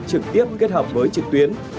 trực tiếp kết hợp với trực tuyến